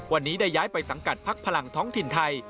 วันนี้ได้ย้ายไปสังกัดพักพลังท้องถิ่นไทย